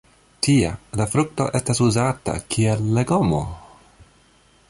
Tie la frukto estas uzata kiel legomo.